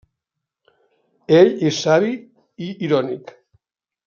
Ell és savi i irònic.